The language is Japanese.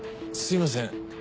すみません